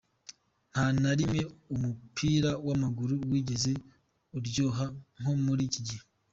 Ntana rimwe umupira w’amaguru wigeze uryoha nko muri iki gihe.